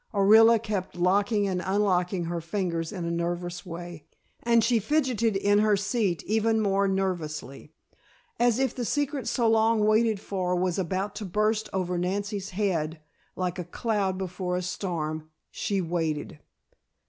Orilla kept locking and unlocking her fingers in a nervous way, and she fidgeted in her seat even more nervously. As if the secret so long waited for was about to burst over Nancy's head, like a cloud before a storm, she waited.